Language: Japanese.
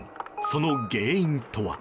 その原因とは。